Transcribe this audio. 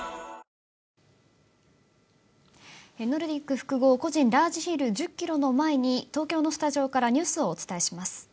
ノルディック複合個人ラージヒル１０ｋｍの前に東京のスタジオからニュースをお伝えします。